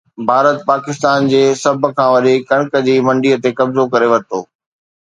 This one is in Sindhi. ڀارت پاڪستان جي سڀ کان وڏي ڪڻڪ جي منڊي تي قبضو ڪري ورتو